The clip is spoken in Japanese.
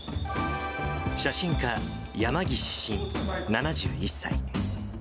写真家、山岸伸７１歳。